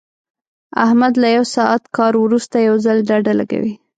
احمد له یو ساعت کار ورسته یو ځل ډډه لګوي.